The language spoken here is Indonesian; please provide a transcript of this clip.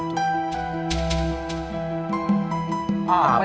apa itu ciraus satu komandan